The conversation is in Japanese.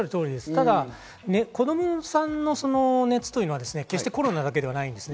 ただ子供さんの熱というのは決してコロナだけではないです。